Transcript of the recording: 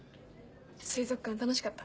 水族館楽しかった？